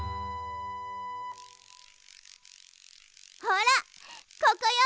ほらここよ！